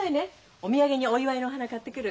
お土産にお祝いのお花買ってくる。